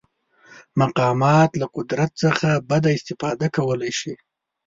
مقامات له قدرت څخه بده استفاده کولی شي.